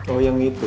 oh yang gitu